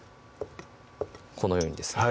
このようにですね